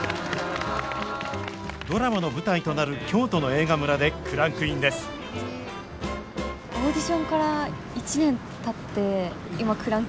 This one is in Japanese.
ドラマの舞台となる京都の映画村でクランクインですあかん。